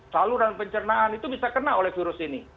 saluran pencernaan itu bisa kena oleh virus ini